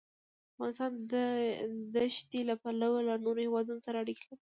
افغانستان د ښتې له پلوه له نورو هېوادونو سره اړیکې لري.